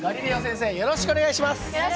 よろしくお願いします。